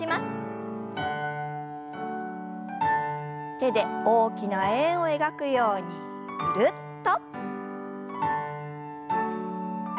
手で大きな円を描くようにぐるっと。